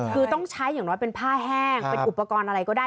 คือต้องใช้อย่างน้อยเป็นผ้าแห้งเป็นอุปกรณ์อะไรก็ได้